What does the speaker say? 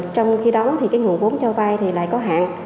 trong khi đó thì cái nguồn vốn cho vay thì lại có hạn